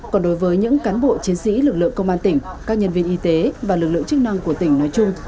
còn đối với những cán bộ chiến sĩ lực lượng công an tỉnh các nhân viên y tế và lực lượng chức năng của tỉnh nói chung